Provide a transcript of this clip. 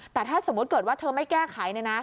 แต่ถ้าสมมุติเกิดว่าเธอไม่แก้ไข